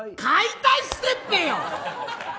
解体してっぺよ！